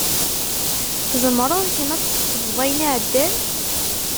Tzemreḍ kemm ad tsefḍeḍ ayen iɛeddan?